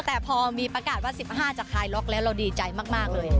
แต่พอมีประกาศว่า๑๕จะคลายล็อกแล้วเราดีใจมากเลย